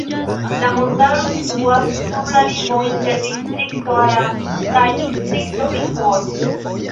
La montaro situas sur la limo inter distrikto Arad kaj distrikto Bihor.